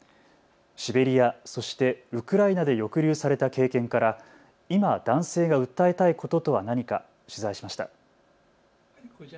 シベリア、そしてウクライナで抑留された経験から今、男性が訴えたいこととは何か取材しました。